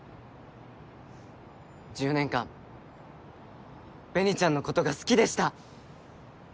１０年間紅ちゃんのことが好きでした。